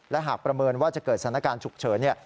และหากประเมินว่าจะเกิดสถานการณ์ฉุกเฉิน